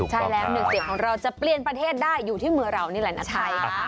ใช่แล้วหนึ่งเสียงของเราจะเปลี่ยนประเทศได้อยู่ที่มือเรานี่แหละนะคะ